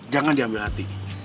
jangan diambil hati